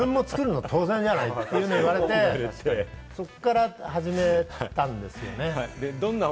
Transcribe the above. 自分も作るの当然じゃない？って言われて、そこから始めたんですよね。